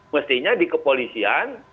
mestinya di kepolisian